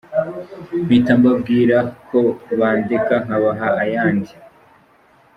Mpita mbabwira ko bandeka nkabaha ayandi.